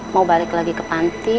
mau balik lagi ke panti